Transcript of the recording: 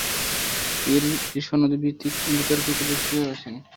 এর সনদে বিতর্কিত ব্যক্তিও রয়েছেন।